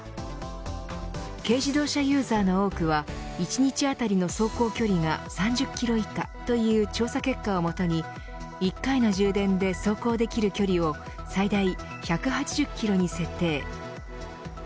軽自動車ユーザーの多くは１日当たりの走行距離が３０キロ以下という調査結果をもとに１回の充電で走行できる距離を最大１８０キロに設定。